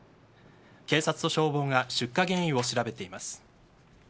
警察と消防が出火原因を調べています。